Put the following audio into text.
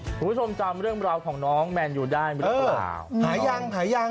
คุณผู้ชมจำเรื่องราวของน้องแมนยูได้มั้ยเปล่า